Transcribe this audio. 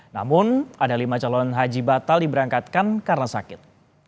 namun ada lima calon haji batal diberangkatkan karena sakit